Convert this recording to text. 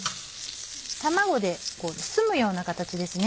卵で包むような形ですね